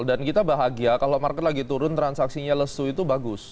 dan kita bahagia kalau market lagi turun transaksinya lesu itu bagus